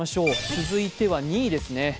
続いては２位ですね。